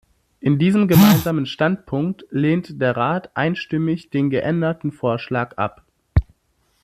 In diesem Gemeinsamen Standpunkt lehnt der Rat einstimmig den geänderten Vorschlag ab.